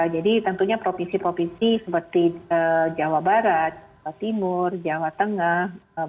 jadi tentunya provinsi provinsi seperti jawa barat jawa timur jawa tengah